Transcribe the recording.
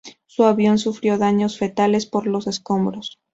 Su avión sufrió daños fatales por los escombros.